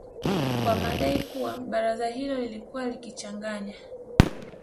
kwa madai kuwa baraza hilo lilikuwa likichanganya